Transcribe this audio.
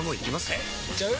えいっちゃう？